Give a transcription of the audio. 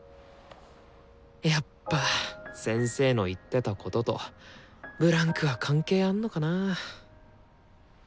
やっぱ先生の言ってたこととブランクは関係あんのかな。